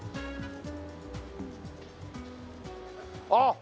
あっ！